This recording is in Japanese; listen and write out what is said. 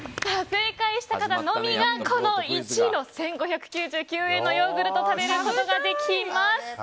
正解した方のみが１位の、１５９９円のヨーグルトを食べることができます。